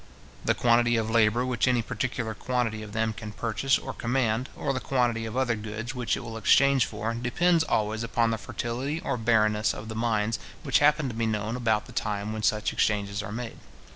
The quantity of labour which any particular quantity of them can purchase or command, or the quantity of other goods which it will exchange for, depends always upon the fertility or barrenness of the mines which happen to be known about the time when such exchanges are made.